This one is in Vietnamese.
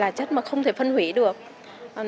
là chất mà không thể phân hủy được